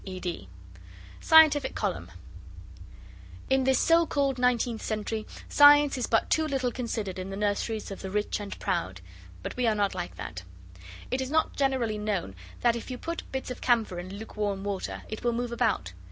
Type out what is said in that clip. ED.) SCIENTIFIC COLUMN In this so called Nineteenth Century Science is but too little considered in the nurseries of the rich and proud. But we are not like that. It is not generally known that if you put bits of camphor in luke warm water it will move about.